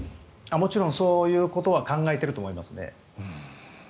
もちろんそういうことは考えていると思います。